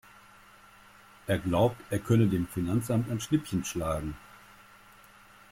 Er glaubt, er könne dem Finanzamt ein Schnippchen schlagen.